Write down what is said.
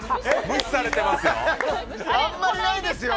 無視されてますよ。